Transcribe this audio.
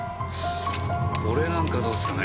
これなんかどうですかね？